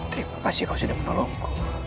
terima kasih sudah menolongku